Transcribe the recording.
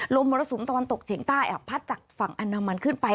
มรสุมตะวันตกเฉียงใต้พัดจากฝั่งอันดามันขึ้นไป